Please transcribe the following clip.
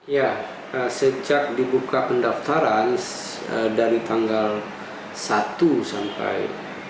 ya sejak dibuka pendaftaran dari tanggal satu sampai